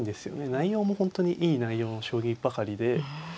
内容も本当にいい内容の将棋ばかりで。